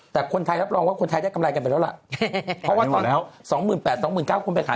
แต่คนไทยรับรองว่าคนไทยได้กำไรกันไปแล้วล่ะเพราะว่าตอนนี้๒๘๐๐๒๙๐๐คนไปขาย